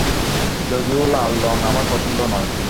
যদিও লাল রং আমার পছন্দ নয়।